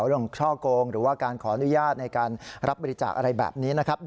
ช่อกงหรือว่าการขออนุญาตในการรับบริจาคอะไรแบบนี้นะครับ